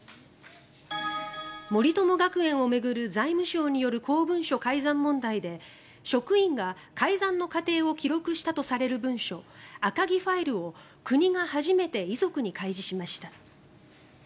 森友学園を巡る財務省による公文書改ざん問題で職員が改ざんの過程を記録したとされる文書赤木ファイルを国が初めて遺族に開示しました。